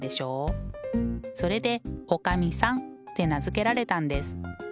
それでおかみさんって名付けられたんです。